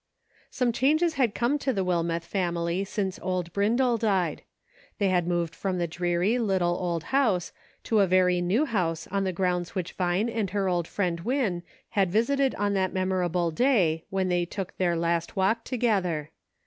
Some changes had come to the Wilmeth family since old Brindle died ; they had moved from the dreary, little, old house to a very new house on the grounds which Vine and her old friend Win had visited on that memorable day when they 98 "I WILL." took their last walk together.